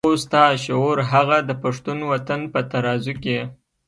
خو ستا شعور هغه د پښتون وطن په ترازو کې.